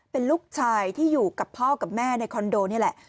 เป็นลูกชายที่อยู่กับพ่อกับแม่ในคอนโดนี่แหละ